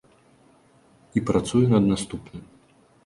І працуе над наступным.